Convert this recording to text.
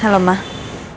di d threat rumah kita